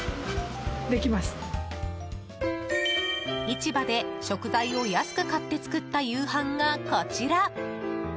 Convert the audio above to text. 市場で食材を安く買って作った夕飯がこちら。